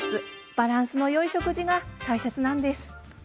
バランスのよい食事が大切です。